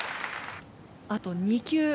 あと２球。